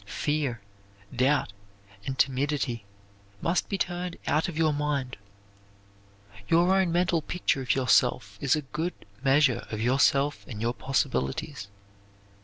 Fear, doubt, and timidity must be turned out of your mind. Your own mental picture of yourself is a good measure of yourself and your possibilities.